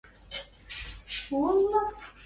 رحب الأثير بخافي النبض رنان